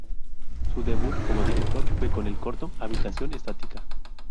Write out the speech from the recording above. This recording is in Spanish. Su debut como director fue con el corto Habitación estática.